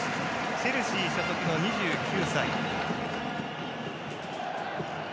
チェルシー所属の２９歳。